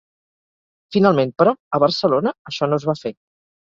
Finalment, però, a Barcelona, això no es va fer.